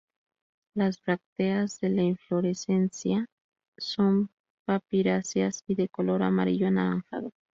Las brácteas de la inflorescencia son papiráceas y de color amarillo anaranjado.